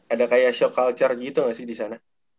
ada kayak shock culture gitu nggak sih disana